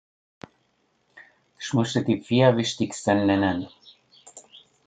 Ich möchte die vier wichtigsten nennen.